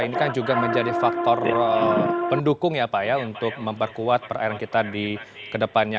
ini kan juga menjadi faktor pendukung ya pak ya untuk memperkuat perairan kita di kedepannya